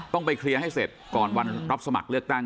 ต้องไปเคลียร์ให้เสร็จก่อนวันรับสมัครเลือกตั้ง